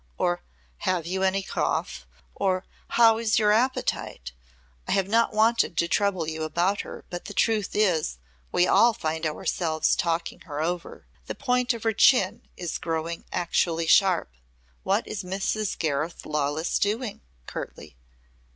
or, 'Have you any cough?' or, 'How is your appetite?' I have not wanted to trouble you about her but the truth is we all find ourselves talking her over. The point of her chin is growing actually sharp. What is Mrs. Gareth Lawless doing?" curtly.